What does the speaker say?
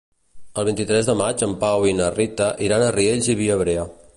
El vint-i-tres de maig en Pau i na Rita iran a Riells i Viabrea.